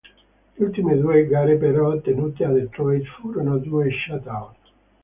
Le ultime due gare però, tenute a Detroit, furono due shutout.